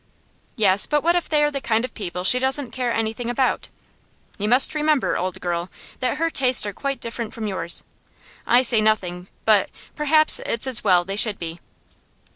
'Yes; but what if they are the kind of people she doesn't care anything about? You must remember, old girl, that her tastes are quite different from yours. I say nothing, but perhaps it's as well they should be.